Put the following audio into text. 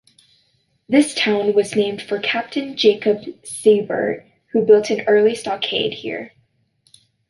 This town was named for Captain Jacob Seybert who built an early stockade here.